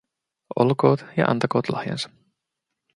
Olkoot ja antakoot lahjansa.